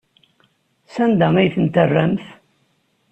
Sanda ay ten-terramt?